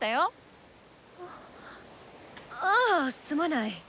ああすまない。